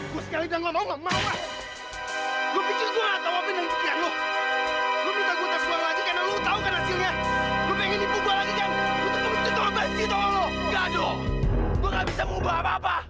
gado lo gak bisa mengubah apa apa